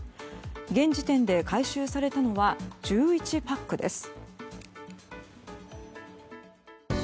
現時点で回収されたのは１１パックです。